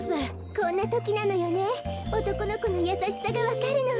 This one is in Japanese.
こんなときなのよねおとこのこのやさしさがわかるのは。